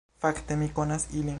Fakte, mi konas ilin